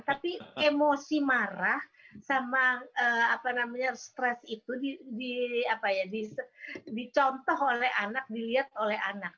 tapi emosi marah sama stres itu dicontoh oleh anak dilihat oleh anak